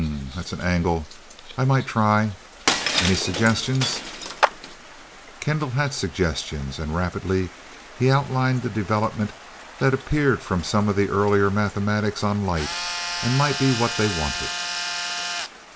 "H m m m that's an angle I might try. Any suggestions?" Kendall had suggestions, and rapidly he outlined a development that appeared from some of the earlier mathematics on light, and might be what they wanted.